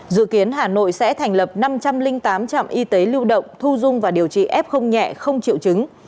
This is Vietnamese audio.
dự kiến hà nội sẽ thành lập năm trăm linh tám trạm y tế lưu động thu dung và điều trị f nhẹ không chịu chứng